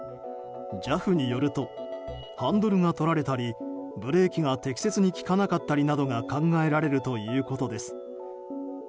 ＪＡＦによるとハンドルがとられたりブレーキが適切に効かなかったりなどが考えられるということです。